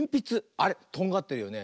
あれとんがってるよね。